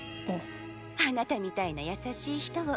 あなたみたいな優しい人を。